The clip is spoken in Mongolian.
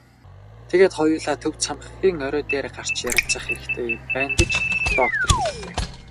Тэгээд хоёулаа төв цамхгийн орой дээр гарч ярилцах хэрэгтэй байна гэж доктор хэллээ.